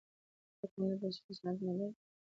آیا کاناډا د وسلو صنعت نلري؟